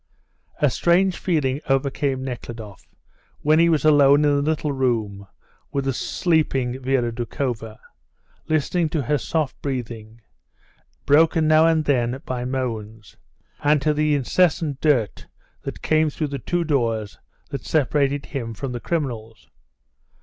A strange feeling overcame Nekhludoff when he was alone in the little room with the sleeping Vera Doukhova, listening to her soft breathing, broken now and then by moans, and to the incessant dirt that came through the two doors that separated him from the criminals.